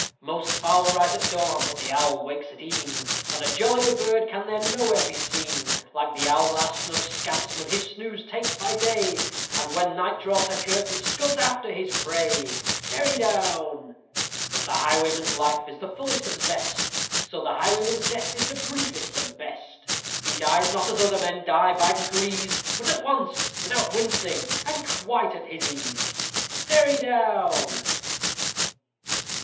_ Most fowl rise at dawn, but the owl wakes at e'en, And a jollier bird can there nowhere be seen; Like the owl, our snug scampsman his snooze takes by day, And, when night draws her curtain, scuds after his prey! Derry down. As the highwayman's life is the fullest of zest, So the highwayman's death is the briefest and best; He dies not as other men die, by degrees! But AT ONCE! without wincing, and quite at his ease! _Derry down.